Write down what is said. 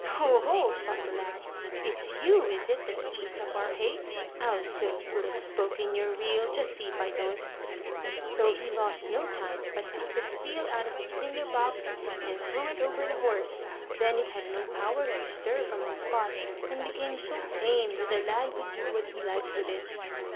"Ho, ho!" thought the lad; "it's you, is it, that eats up our hay? I'll soon put a spoke in your wheel; just see if I don't." So he lost no time, but took the steel out of his tinder box, and threw it over the horse; then it had no power to stir from the spot, and became so tame that the lad could do what he liked with it.